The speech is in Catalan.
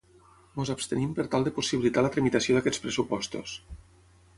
Ens abstenim per tal de possibilitar la tramitació d’aquests pressupostos.